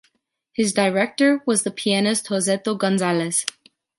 His Director was the pianist Joseito Gonzalez.